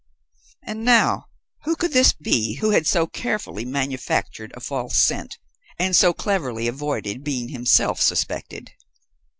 "And now who could this be who had so carefully manufactured a false scent, and so cleverly avoided being himself suspected?